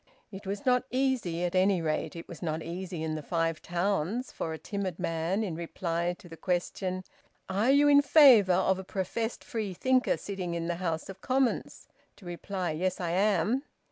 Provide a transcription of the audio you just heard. It was not easy, at any rate it was not easy in the Five Towns, for a timid man in reply to the question, "Are you in favour of a professed Freethinker sitting in the House of Commons?" to reply, "Yes, I am."